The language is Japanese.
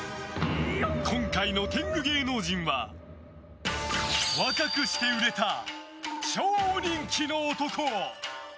今回の天狗芸能人は若くして売れた、超人気の男！